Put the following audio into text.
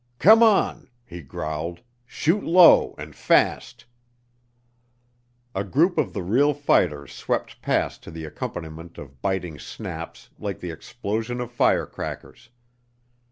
"Come on," he growled. "Shoot low and fast." A group of the real fighters swept past to the accompaniment of biting snaps like the explosion of firecrackers.